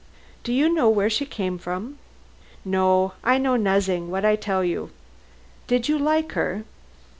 "Do you know where she came from?" "No. I know nozzin' but what I tell you." "Did you like her?"